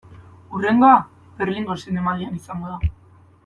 Hurrengoa, Berlingo Zinemaldian izango da.